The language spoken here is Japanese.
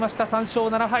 ３勝７敗。